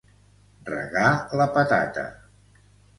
Regar la patata.